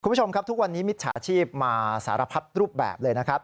คุณผู้ชมครับทุกวันนี้มิจฉาชีพมาสารพัดรูปแบบเลยนะครับ